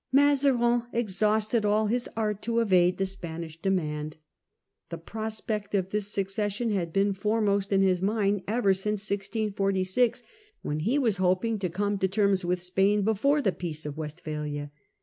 Mazarin exhausted all his art to evade the Spanish demand. The prospect of this succession had been Renunda foremost in his mind ever since 1646, when he tion of was hoping to come to terms with Spain before rcscand the Peace of Westphalia.